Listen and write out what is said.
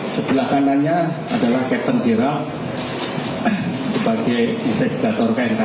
sebelah kanannya adalah kapten gerak sebagai investigator knkt